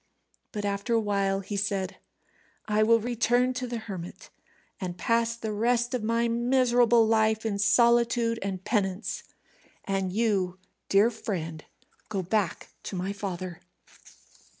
But after a while he said, "I will return to the hermit, and pass the rest of my miserable life in solitude and penance. And you, dear friend, go back to my father."